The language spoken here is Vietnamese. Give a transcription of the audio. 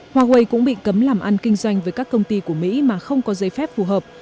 huawei cũng bị cấm làm ăn kinh doanh với các công ty của mỹ mà không có giấy phép phù hợp